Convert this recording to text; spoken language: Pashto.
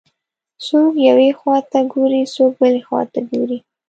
څوک یوې خواته ګوري، څوک بلې خواته ګوري.